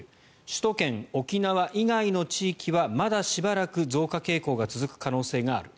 首都圏、沖縄以外の地域はまだしばらく増加傾向が続く可能性がある。